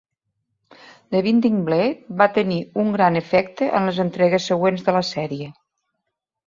"The Binding Blade" va tenir un gran efecte en les entregues següents de la sèrie.